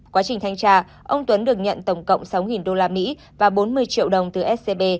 quá trình thanh tra ông tuấn được nhận tổng cộng sáu usd và bốn mươi triệu đồng từ scb